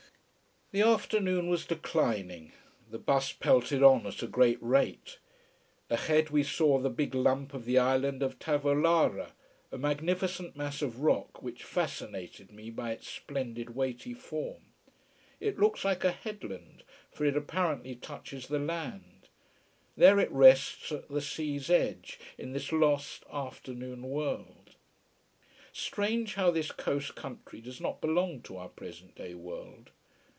The afternoon was declining, the bus pelted on at a great rate. Ahead we saw the big lump of the island of Tavolara, a magnificient mass of rock which fascinated me by its splendid, weighty form. It looks like a headland, for it apparently touches the land. There it rests at the sea's edge, in this lost afternoon world. Strange how this coast country does not belong to our present day world.